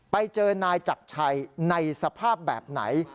ไปเจอนายจักรชัยในสภาพแบบไหน